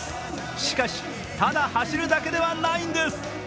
しかし、ただ走るだけではないんです。